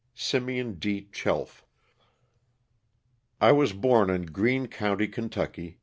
SIMEON D. CHELF. I WAS born in Green county, Ky.